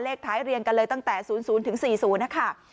เลขท้ายเรียงกันเลยตั้งแต่๐๐ถึง๔๐นะคะ